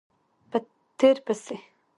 په تېر پسې